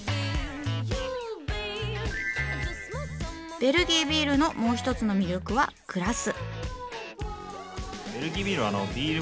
ベルギービールのもう一つの魅力はグラス。